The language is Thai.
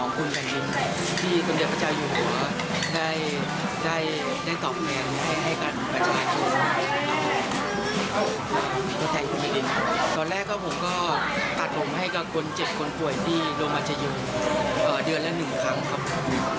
ในทางรวมสวรรคตก็เลยเกิดแรงพนันใจ